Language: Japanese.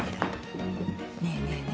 ねえねえね